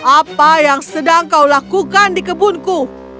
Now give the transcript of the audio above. apa yang sedang kau lakukan di kebunku